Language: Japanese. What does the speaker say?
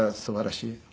すばらしい。